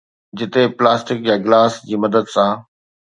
جتي پلاسٽڪ يا گلاس جي مدد سان